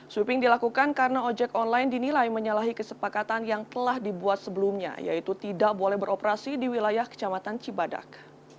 sweeping dilakukan karena ojek online dinilai menyalahi kesepakatan yang telah dibuat sebelumnya yaitu tidak boleh beroperasi di wilayah kecamatan cibadak